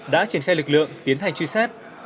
đã triển khai lực lượng tiến hành truy xét